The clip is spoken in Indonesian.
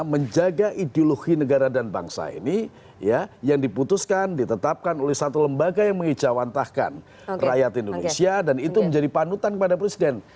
menjaga ideologi negara dan bangsa ini ya yang diputuskan ditetapkan oleh satu lembaga yang mengijawantahkan rakyat indonesia dan itu menjadi panutan kepada presiden